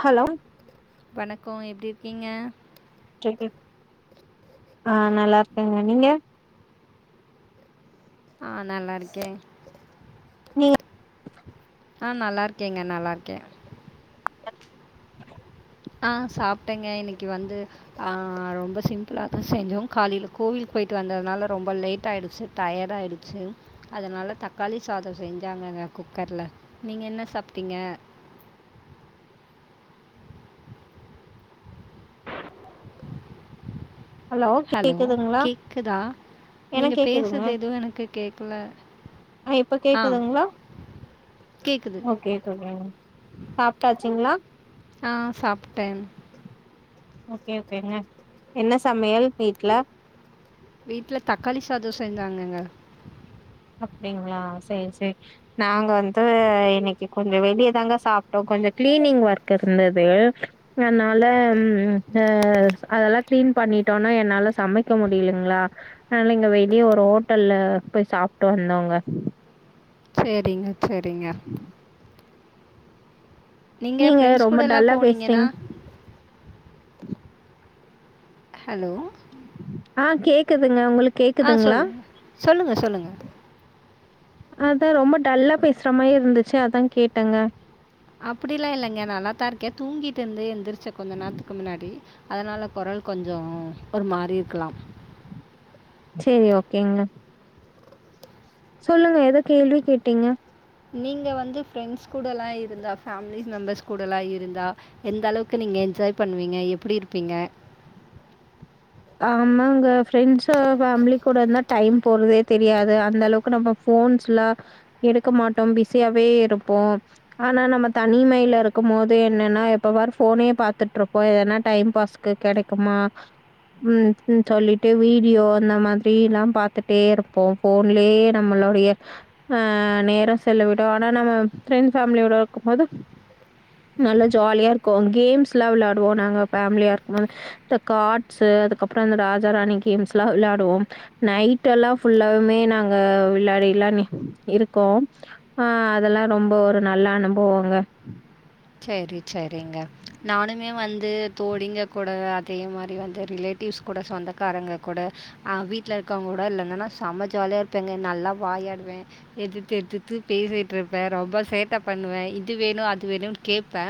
Hello வணக்கோ எப்டி இரு கீங்க கேக்குது ஆஹ் நல்லா இருக்கேங்க நீங்க ஆஹ் நல்லா இருக்கே நீங்க ஆஹ் நல்லா இருக்கேங்க நல்லா இருக்கே ஆஹ் சாப்பிட்டேங்க இன்னைக்கி வந்து ஆ ரொம்ப சிம்பிளாதா செஞ்சோ காலைல கோவிலுக்கு போயிட்டு வந்ததுனால ரொம்ப லேட் ஆயிடுச்சு டயர்டு ஆயிடுச்சு அதனால தக்காளி சாதோ செஞ்சாங்கங்க குக்கர்ல நீங்க என்ன சாப்ட்டீங்க ஹலோ கேக்குதுங்களா எனக்கு நீங்கள் கேக்குதுங்க பேசுறது எதுவும் எனக்கு கேட்கல ஆ இப்ப கேக்குதுங்களா கேட்குது ஓகே தோழி சாப்ட்டாச்சுங்களா ஆஹ் சாப்ட்டே ஓகே ஓகேங்க என்ன சமையல் வீட்ல வீட்ல தக்காளி சாதோ செஞ்சாங்கங்க அப்டிங்களா சேரி சேரி நாங்க வந்து இன்னைக்கி கொஞ்சோ வெளியதாங்க சாப்ட்டோ கொஞ்ச கிளீனிங் ஒர்க் இருந்தது அதனால அது அதெல்லா கிளீன் பண்ணிட்டோனா என்னால சமைக்க முடியலங்களா அதனால இங்க வெளிய ஒரு ஓட்டல்ல போய் சாப் ட்டு வந்தோங்க சேரிங்க சரிங்க நீங்கள் நீங்க ஃப்ரெண்ட்ஸ் ரொம்ப கூடலாம் டல்லா பேசுறீங் போனீங்கன்னா [inaudible] ஹலோ ஆஹ் கேக்குதுங்க உங்களுக் ஆஹ் சொல்லுங்க சொல்லுங்க சொல்லுங்க அதா ரொம்ப டல்லா பேசுற மாரி இருந்துச்சு அதா கேட்டேங்க அப்படியெல்லா இல்லங்க நல்லாத்தா இருக் கே தூங்கிட்டு இருந்து எந்திரு ச்ச கொஞ்ச நேரத்துக்கு முன்னாடி அதனால கொரல் கொஞ்சோ ஒரு மாரி இருக்கலா சேரி ஓகேங்க சொல்லுங்க ஏதோ கேள்வி கேட்டீங்க நீங்க வந்து ஃப்ரெண்ட்ஸ் கூடலா இருந்தா ஃபேமிலிஸ் மெம்பர்ஸ் கூடலா இருந்தா எந்த அளவுக்கு நீங்க என்ஜாய் பண்ணுவீங்க எப்பிடி இருப்பீங்க ஆமாங்க ஃப்ரெண்ட்ஸ் ஃபேமிலி கூட இருந்தா டைம் போறதே தெரியாது அந்த அளவுக்கு நம்ம ஃபோன்ஸ்லா எடுக்க மாட்டோ பிஸியாவே இருப்போ ஆனா நம்ம தனிமையில இருக்கும் போது என்னன்னா எப்ப பாரு ஃபோனே பாத்துட்ருப்போ எதுனா டைம் பாஸ்க்கு கெடைக்குமா ம் ம் சொல்லிட்டு வீடியோ அந்த மாதிரி எல்லா பாத்துட்டே இருப்போ ஃபோன்லயே நம்மளுடைய அஹ் நேரோ செலவிடுவோ ஆனா நம்ம ஃபிரெண்ட் ஃபேமிலியோட இருக்கும் போது நல்லா ஜாலியா இருக்கு கேம்ஸ்லா வெளையாடுவோ நாங்க ஃபேமிலியா இருக்கும் போது இந்த கார் ட்ஸு அதுக்கப்றோ இந்த ராஜா ராணி கேம்ஸ்லா வெளையாடுவோ நைட் எல்லாம் ஃபுல்லாவுமே நாங்க விளையாடி எல்லா இருக்கோம் ஆஹ் அதெல்லா ரொம்ப ஒரு நல்ல அனுபவம்ங்க சரி சரிங்க நானுமே வந்து தோழிங்க கூட அதே மாரி வந்து ரிலேட்டிவ்ஸ் கூட சொந்தக்காரங்க கூட ஆ வீட்ல இருக்கவங்க கூட இல்லனன்னா செம ஜாலியா இருப்பேங்க நல்லா வாயாடுவே எதுத்து எதுத்து பேசிட்டு இருப்பே ரொம்ப சேட்ட பண்ணுவே இது வேணு அது வேணுன்னு கேப்பே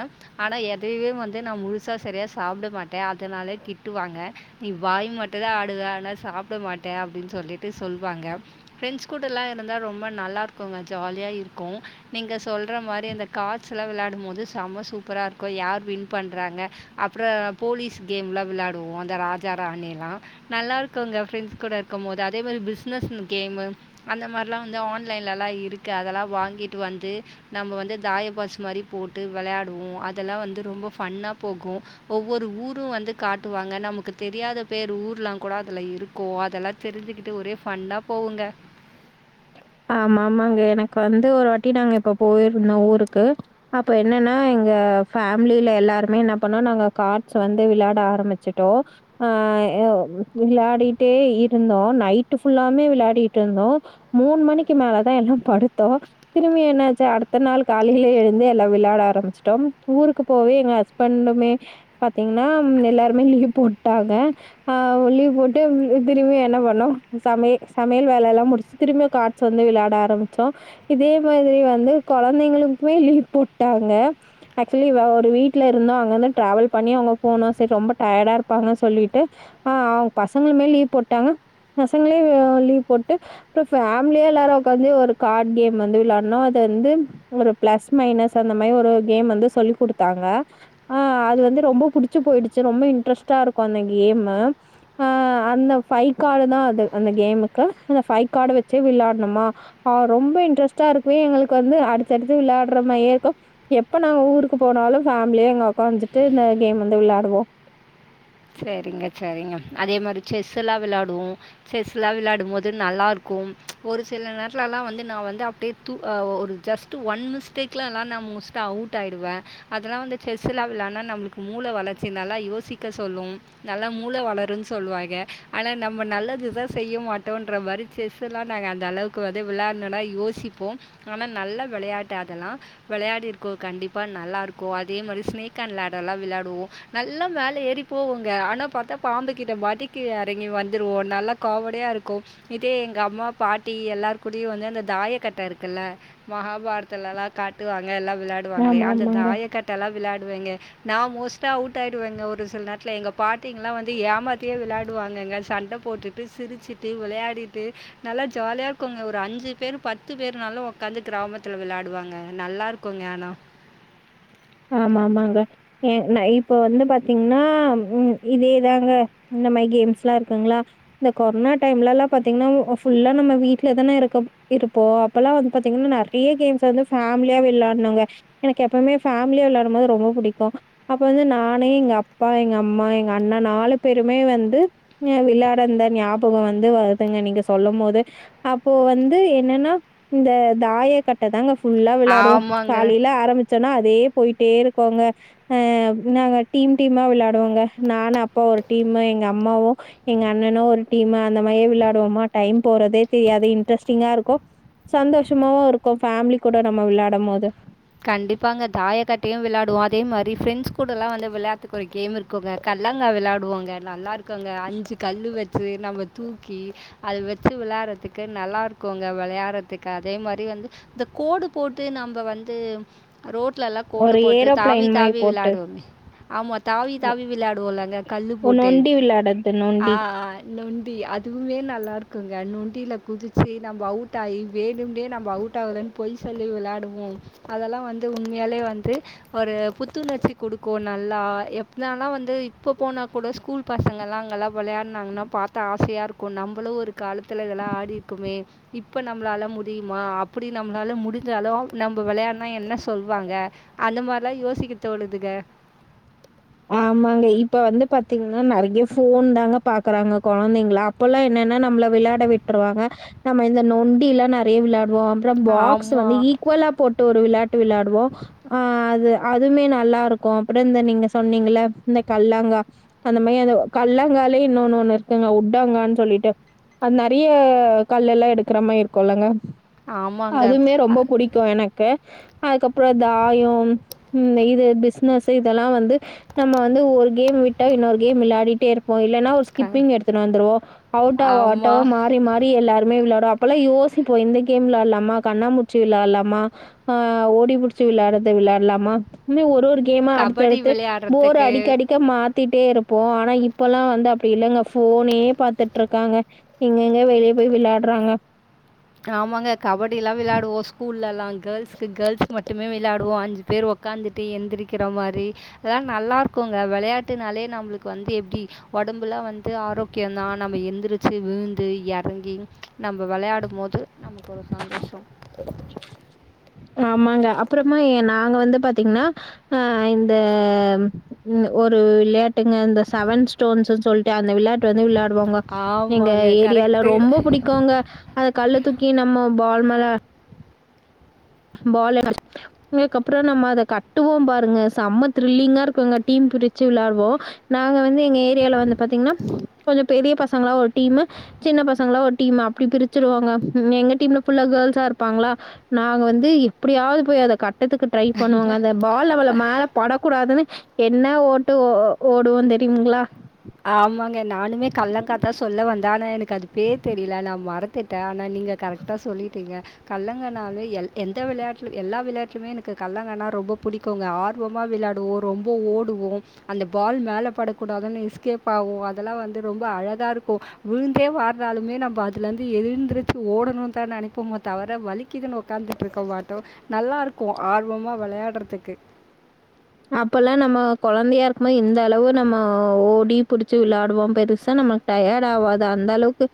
ஆனா எதையுவே வந்து நா முழுசா சரியா சாப்ட மாட்டே அதனாலயே திட்டுவாங்க நீ வாய் மட்டுதா ஆடுவே ஆனா சாப்ட மாட்டே அப்டின்னு சொல்லிட்டு சொல்லுவாங்க ஃப்ரெண்ட்ஸ் கூடலா இருந்தா ரொம்ப நல்லாருக்குங்க ஜாலியா இருக்கு நீங்க சொல்ற மாரி அந்த கார்ட்ஸல்லா வெளையாடும் போது செம சூப்பரா இருக்கு யார் வின் பண்றாங்க அப்றோ போலீஸ் கேம்லா விளையாடுவோ அந்த ராஜா ராணியெல்லா நல்லா இருக்குங்க ஃப்ரெண்ட்ஸ் கூட இருக்கும் போது அதே மாரி பிஸ்னஸ்னு கேமு அந்த மாரிலா வந்து ஆன்லைன்லலா இருக்கு அதெல்லா வாங்கிட்டு வந்து நம்ம வந்து தாயபாஸ் மாரி போட் டு வெளையாடுவோ அதெல்லா வந்து ரொம்ப ஃபன்னா போகு ஒவ்வொரு ஊரு வந்து காட்டுவாங்க நமக்கு தெரியாத பேர் ஊர்லா கூட அதுல இருக்கு அதெல்லா தெரிஞ்சுக்கிட்டு ஒரே ஃபன்னா போவுங்க ஆமாமாங்க எனக்கு வந்து ஒரு வாட்டி நாங்க இப்ப போயிருந்தோ ஊருக்கு அப்ப என்னன்னா எங்க ஃபேமிலில எல்லாருமே என்ன பண்ணோ நாங்க கார்ட்ஸ் வந்து விளையாட ஆரம்பிச்சிட்டோ ஆஹ் அ விளையாடிட்டே இருந்தோ நைட் ஃபுல்லாமே விளையாடிட்டு இருந்தோ மூ ணு மணிக்கு மேலதா எல்லா படுத்தோ திரும்பி என்னாச்சு அடுத்த நாள் காலையில எழுந்து எல்லா விளையாட ஆரம்பிச்சுட்டோ ஊருக்கு போவே எங்க ஹஸ்பண்டுமே பாத்தீங்கன்னா எல்லாருமே லீவ் போட்டாங்க ஆ லீவ் போட்டு திரும்பி என்ன பண்ணோ சமைய சமையல் வேலைலா முடிச்சு திரும்பயி கா ர்ட்ஸ் வந்து விளையாட ஆரம்பிச்சோ இதே மாதிரி வந்து கொழந்தைங்களுக்குமே லீவ் போட்டாங்க ஆக்சுவலி ஒரு வீட்ல இருந்தோ அங்க இருந்து டிராவல் பண்ணி அவங்க போகணு சரி ரொம்ப டயர்டா இருப்பாங்க சொல்லிட்டு ஆ அவங் பசங்களுமே லீவ் போட்டாங்க பசங்களு லீவ் போட்டு அப்றோ ஃபே மிலியே எல்லாரு உக்காந்து ஒரு கார்டு கேம் வந்து விளையாடுனோ அது வந்து ஒரு பிளஸ் மைனஸ் அந்த மாரி ஒரு கேம் வந்து சொல்லிக் குடுத்தாங்க ஆ அது வந்து ரொம்ப புடிச்சு போயிடுச்சு ரொம்ப இன்ட்ரெஸ்ட்டா இருக்கு அந்த கேமு ஆ அந்த ஃபைவ் கார்டுதா அது அந்த கேமுக்கு அந்த ஃபைவ் கார்ட வச் சு விளையாடுணுமா ஆ ரொம்ப இன்ட்ரெஸ்ட்டா இருக்கு எங்களுக்கு வந்து அடுத்தடுத்து விளையாடுற மாரியே இருக்கு எப்ப நாங்க ஊருக்கு போனாலு ஃபேமிலியே அங்க உக்காந்துட்டு இந்த கேம் வந்து விளையாடுவோ சரிங்க சரிங்க அதே மாரி செஸ் எல்லா விளையாடுவோ செஸ் எல்லா விளையாடும் போது நல்லா இருக்கும் ஒரு சில நேரத்துலல்லா வந்து நா வந்து அப்டியே தூ ஆ ஒரு ஜஸ்ட் ஒன் மிஸ்டேக்லல்லா நா மோஸ்டா அவுட் ஆயிடுவே அதெல்லா வந்து செஸ் எல்லா விளையாண்டா நம்மளுக்கு மூளை வளர்ச்சி நல்லா யோசிக்க சொல்லு நல்லா மூளை வளருன்னு சொல்லுவாங்க ஆனா நம்ம நல்லதுதா செய்ய மாட்டோன்ற மாரி செஸ்லா நாங்க அந்த அளவுக்கு வந்து விளையாடுனுன்னா யோசிப்போ ஆனா நல்ல விளையாட்டு அதெல்லா விளையாடிருக்கோ கண்டிப்பா நல்லாருக்கு அதே மாரி சினேக் அண்ட் லாடர்லா விளையாடுவோ நல்லா மேல ஏறி போவோங்க ஆனா பாத்தா பாம்பு கிட்ட மாட்டி கீழ எறங்கி வந்துருவோ நல்லா காமெடியா இருக்கு இதே எங்க அம்மா பாட்டி எல்லார்கூடயு வந்து அந்த தாயக்கட்ட இருக்குல மகாபாரதத்துலலா காட்டுவா ங்க எல்லா விளையாடுவாங்களே அந்த ஆமாமாங்க. தாய கட்டலா விளையாடு வேங்க நா மோஸ்ட்டா அவுட் ஆயிடுவேங்க ஒரு சில நேரத் துல எங்க பாட்டிங்கல்லா வந்து ஏமாத்தியே விளையாடுவாங்கங்க சண்ட போட்டுட்டு சிரிச்சுட்டு விளையாடிட்டு நல்லா ஜாலியா இருக்குங்க ஒரு அஞ்சு பேரு பத்து பேருனாலு உக்காந்து கிராமத்துல விளையாடுவாங்க நல்லா இருக்குங்க ஆனா ஆமா ஆமாங்க எ நா இப்ப வந்து பாத்தீங்கன்னா உ இதேதாங்க இந்த மாரி கேம்ஸ்லா இருக்குங்களா இந்த கொரோனா டைம்ல எல்லாம் பாத்தீங்கன்னா ஃபுல்லா நம்ம வீட்லதானே இருக்க இருப்போ அப்பல்லா வந்து பாத்தீங்கன்னா நெறைய கேம்ஸ் வந்து ஃபேமிலியா விளையாடுனோங்க எனக்கு எப்பவுமே ஃபேமிலியா விளையாடும் போது ரொம்ப புடிக்கு அப்போ வந்து நானு எங்க அப்பா எங்க அம்மா எங்க அண்ண நாலு பேருமே வந்து ஆ விளையாட அந்த ஞாபகோ வந்து வருதுங்க நீங்க சொல்லும் போதே அப்போ வந்து என்னனா இந்த தாய கட்ட தாங்க ஃபுல்லா வெளையாடுவோ ஆமாங்க. காலைல ஆரம்பிச்சா அதே போயிட்டே இருக்கோங்க அஹ் நாங்க டீம் டீமா விளையாடுவோங்க நானு அப்பா ஒரு டீமு எங்க அம்மாவு எங்க அண்ணனு ஒரு டீமு அந்த மாரியே விளையாடுவோமா டைம் போறதே தெரியாது இன்ட்ரெஸ்ட்டிங்கா இருக்கு சந்தோஷமாவு இருக்கு ஃபேமிலி கூட நம்ம விளையாடும் போது கண்டிப்பாங்க தாயக்கட்டையு விளையாடுவோ அதே மாரி ஃப்ரெண்ட்ஸ் கூட எல்லாம் வந்து விளையாடுறத்துக்கு ஒரு கேம் இருக்குங்க கல்லாங்கா விளையாடுவோங்க நல்லா இருக்குங்க அஞ்சு கல்லு வச்சு நம்ம தூக்கி அத வச்சு விளையாடுறதுக்கு நல்லா இருக்குங்க விளையாடுறதுக்கு அதே மாரி வந்து இந்த கோடு போட்டு நம்ப வந் து ரோட் லல்லா கோடு ஒரு போட்டு தாவி ஏரோப்ளைன் மாரி தாவி போட்டு, விளையாடுவோமே ஆமா தாவி தாவி விளையாடுவோல்லங்க கல்லு ஒ போட்டு நொண்டி விளையாடுறது நொண்டி. ஆ ஆ நொண் டி அதுவுமே நல்லா இருக்குங்க நொண்டியில குதிச்சு நம்போ அவுட் ஆகி வேணும்னே நம்ப அவுட் ஆகலைன்னு பொய் சொல்லி விளையாடுவோ அதெல்லா வந்து உண்மையாலே வந்து ஒரு புத்துணர்ச்சி குடுக்கு நல்லா எப்பனாலா வந்து இப்போ போனா கூட ஸ்கூல் பசங்கல்லா அங்கெல்லா விளையாடுனாங்கன்னா பாத்தா ஆசையா இருக்கு நம்பளு ஒரு காலத்துல இதெல்லா ஆடியிருக்குமே இப்ப நம்மளால முடியுமா அப்பிடி நம்மளால முடிஞ்சாலு நம்போ வெளையான் டா என்ன சொல்வாங்க அந்த மாரிலா யோசிக்க தோணுதுங்க ஆமாங்க இப்ப வந்து பாத்தீங்கன்னா நெறைய ஃபோன்தாங்க பாக்குறாங்க கொழந்தைங்லா அப்பல்லா என்னன்னா நம்மள விளையாட விட்ருவாங்க நம்ம இந்த நொண்டி எல்லாம் நெறையா விளா டுவோ அப்றோ பாக்ஸ் ஆமா. வந்து ஈக்வலா போட் ஒரு விளாட்டு விளையாடுவோம் ஆஹ் அது அதுமே நல்லா இருக்கும் அப்புறம் இந்த நீங்க சொன்னீங்க இந்த கல்லாங்க் அந்த மாதிரி அந்த கல்லாங்காயாலயே இன்னொன்னு ஒண்ணு இருக்குங்க உட்டாங்கான்னு சொல்லிட்டு அது நிறைய கல்லெல்லாம் எடுக்கிற மாதிரி இருக்கும்ல்லங்க ஆமாங்க. அதுமே அ ரொம்ப புடிக்கும் எனக்கு அதுக்கப்புறம் தாயம் உம் இது பிஸ்னஸ் இதெல்லாம் வந்து நம்ம வந்து ஒரு கேம் விட்டா இன்னொரு கேம் விளையாடிட்டே இருப்போம் இல்லைன்னா ஒரு க ஸ்கிப்பிங் எடுத்துட்டு வந்துருவோம் அவுட்டாக ஆமா. அவுட்டாவ மாறி மாறி எல்லாருமே விளையா அப்போலாம் யோசிப்போம் இந்த கேம் விளையாடலாமா கண்ணாம்பூச்சி விளையாடலாமா ஆஹ் ஓடிபுடிச்சி விளையாடுறது விளையாடலாமா இந்த மாதிரி ஒரு ஒரு கேம்மா அடுத்து கபடி அடுத்து போர் விளையாடுறதுக்கு. அடிக்கடிக்க மா பாத்திட்டே இருப்போம் ஆனா இப்பல்லாம் வந்து அப்படி இல்லை இங்க போனே பாத்துட்டு இருக்காங்க எங்கங்க வெளியே போய் விளையாடுறாங்க ஆமாங்க கபடிய எல்லாம் விளையாடுவோம் ஸ்கூல்ல எல்லாம் கேர்ள்ஸ்க் கேர்ள்ஸ்க மட்டுமே விளையாடுவோம் அஞ்சு பேர் உக்காந்துட்டு எந்திரிக்கிற மாதிரி அதெல்லாம் நல்லா இருக்கும்ங்க விளையாட்டுனாலயே நம்மளுக்கு வந்து எப்படி உடம்புல்லாம் வந்து ஆரோக்கியம தான் நம்ம எந்திரிச்சு விழுந்து இறங்கி நம்ம விளையாடும் போது இது நமக்கு ஒரு சந்தோஷம் ஆமாங்க அப்புறமா நாங்க வந்து பாத்தீங்கன்னா அஹ் இந்த ஒரு விளையாட்டுங்க இந்த செவன் ஸ்டோன்ஸ் சொல்லிட்டு அந்த விளையாட்டு வந்து விளையாடுவாங்க எங்க ஆமாங்க. ஏரியால கரெக்ட்டு. ரொம்ப பிடிக்கும்ங்க அத கல்ல தூக்கி நம்ம பால் மரா [unintelligible] பால் அதுக்கப்புறம் நம்ம அத கட்டுவோம் பாருங்க செம திரில்லிங்கா இருக்கும்ங்க டீம் பிரிச்சு விளையாடுவோம் நாங்க வந்து எங்க ஏரியால வந்து பாத்தீங்கன்னா கொஞ்சம் பெரிய பசங்களா ஒரு டீம் சின்ன பசங்களா ஒரு டீம் அப்படி பிரிச்சிருவாங்க உம் எங்க டீம்ல ஃபுல்ல கேல்சா இருப்பாங்களா நாங்க வந்து எப்படியாவது போய் அத கட்ட படத்துக்கு ட்ரை பண்ணுவாங்க அந்த பால் அவ்ள மேல படக்கூடாதுன்னு என்ன ஓட்டு ஓ ஓடுவோம் தெரியுங்களா ஆமாங்க நானுமே கல்லங்கா தான் சொல்ல வந்தேன் ஆனா எனக்கு அது பேர் தெரியல நான் மறத்துட்டேன் ஆனா நீங்க கரெக்டா சொல்லிட்டீங்க கல்லங்கண்ணாவே எந்த விளையாட்டுல எல்லா விளையாட்டுிலயுமே எனக்கு கல்லங்கண்ணா ரொம்ப பிடிக்கும்ங்க ஆர்வமா விளையாடுவோம் ரொம்ப ஓடுவோம் அந்த பால் மேல படக்கூடாதுன்னு கேப்பாகும் அதெல்லாம் வந்து ரொம்ப அழகா இருக்கும் விழுந்தே வர்னாலுமே நம்ம அதுல இருந்து எழுந்திருச்சு ஓடணும்னு தான் நினைப்போமே தவிர வலிக்குதுன்னு உக்காந்துட்டு இருக்க மாட்டோம் நல்லா இருக்கும் ஆர்வமா விளையாடுறதுக்கு அப்பலாம் நம்ம குழந்தையா இருக்கும் போது இந்த அளவு நம்ம ஓடி புடிச்சு விளையாடுவோம் பெருசா நமக்கு டயர்ட் ஆவாது அந்த அளவுக்கு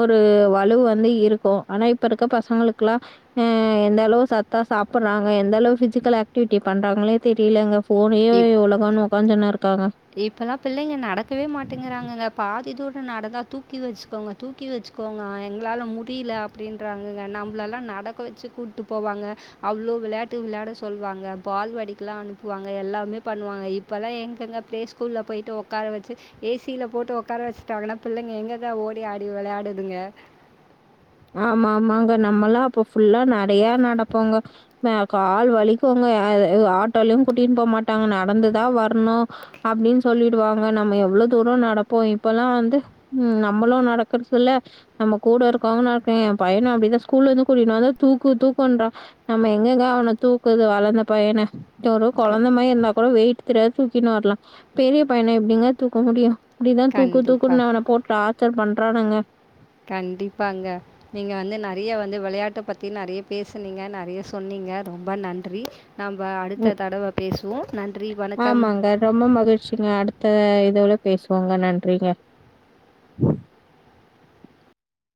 ஒரு வலு வந்து இருக்கும் ஆனா இப்ப இருக்க பசங்கலுக்கெல்லாம் ஆஹ் எந்த அளவு சத்தா சாப்பிடுறாங்க எந்த அளவு பிசிக்கல் ஆக்டிவிட்டி பண்றாங்களே தெரியலங்க ஃபோனயே உலகம்னு உட்காந்துன்னு இருக்காங்க இப்பல்லாம் பிள்ளைங்க நடக்கவே மாட்டேங்காங்க இந்த பா பாதித்தோடு நடந்தால் தூக்கி வச்சுக்கோங்க தூக்கி வச்சுக்கோங்க எங்களால் முடியல அப்படின்றாங்கங்க நம்மளெல்லாம் நடக்க வச்சு கூப்பிட்டு போவாங்க அவ்வளோ விளையாட்டு விளையாட சொல்லவாங்க பால் வாடிக்கெலாம் அனுப்புவாங்க எல்லாமே பண்ணுவாங்க இப்போல்லாம் எங்கெங்கே பிளே ஸ்கூல்ல போயிட்டு உடக்கார வச்சு ஏசியில போட்டு உட்கார வச்சுட்டாங்கன்னா பிள்ளைங்க எங்கதான் ஓடி ஆடி விளையாடுதுங்க ஆமா ஆமாங்க நம்மலாம் அப்ப ஃபுல்லா நிறையா நடப்போங்க கால் வலிக்கும்வங்க ஆட்டோலும் கூட்டிட்டுனு போக மாட்டாங்க நடந்துதா வரணும் அப்படின்னு சொல்லிடுவாங்க நம்ம எவ்வளோ தூரம் நடப்போம் இப்பல்லாம் வந்து நம்மளும் நடக்கறது இல்ல நம்ம கூட இருக்கவங்க என் பையன்அப்படிதான் ஸ்கூல்ல வந்து கூட்டிட்டு வந்தும் தூக்கு தூக்குன்றான் நம்ம எங்கெங்க ஆனும் தூக்குது வளர்ந்த பையனை இது ஒரு க கொழந்த மாதிரி இருந்தா கூட வெயிட் ஒன்னும் தெரியாது தூக்கின்னு வரலாம் பெரிய பையன எப்படிங்க தூக்க முடியும் அப்படிதான் தூக்கு கண்டிப்பாக தூக்குனு அவன போட்டு ஆ டாச்சர் பண்றானங்க கண்டிப்பாங்க நீங்க வந்து நிறைய வந்து விளையாட்ட பத்தி நிறைய பேசுனீங்க நிறைய சொன்னீங்க ரொம்ப நன்றி நம்ப அடுத்த தடவ பேசுவோம் நன்றி வணக்கம் இதவிட பேசுவோங்க நன்றிங்க